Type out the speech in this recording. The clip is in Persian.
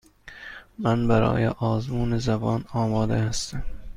من برای آزمون زبان آماده هستم.